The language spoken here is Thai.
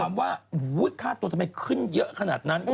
ซึ่งคนเขามาถามว่าค่าตัวทำไมขึ้นเยอะขนาดนั้น